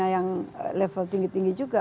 yang level tinggi tinggi juga